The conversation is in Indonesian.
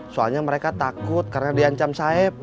soalnya mereka takut karena diancam saib